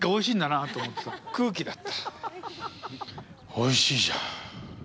おいしいじゃん。